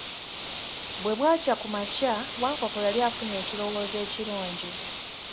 Bwe bwakya kumakya, Wankoko yali afunye ekirowoozo ekirungi.